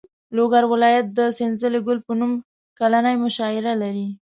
لوګر ولایت د سنځلې ګل په نوم کلنۍ مشاعره لري.